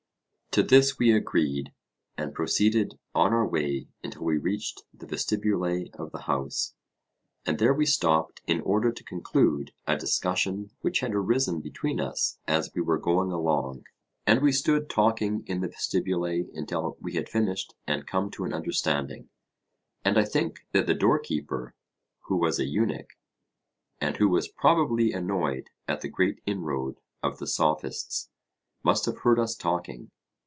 To this we agreed, and proceeded on our way until we reached the vestibule of the house; and there we stopped in order to conclude a discussion which had arisen between us as we were going along; and we stood talking in the vestibule until we had finished and come to an understanding. And I think that the door keeper, who was a eunuch, and who was probably annoyed at the great inroad of the Sophists, must have heard us talking.